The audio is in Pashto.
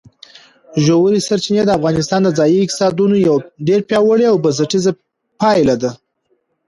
ژورې سرچینې د افغانستان د ځایي اقتصادونو یو ډېر پیاوړی او بنسټیز پایایه دی.